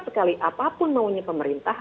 sekali apapun maunya pemerintah